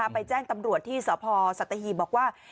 ไปแจ้งตำรวจที่สพสัตหีบบอกว่า